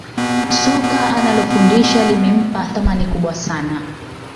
Soka analofundisha limempa thamani kubwa sana